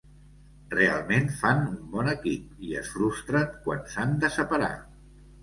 Realment fan un bon equip, i es frustren quan s'han de separar.